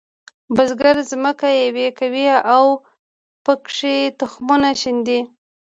بزګر ځمکه یوي کوي او پکې تخم شیندي.